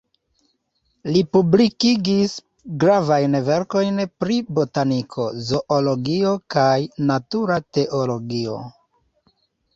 Li publikigis gravajn verkojn pri botaniko, zoologio, kaj natura teologio.